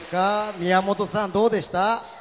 宮本さん、どうでした？